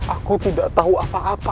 aku tidak tahu apa apa